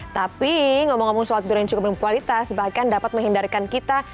tapi ngomong ngomong soal tidur yang cukup berkualitas bahkan dapat menghindarkan kita